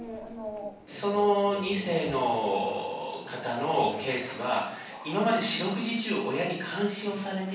その２世の方のケースは今まで四六時中親に監視をされていて。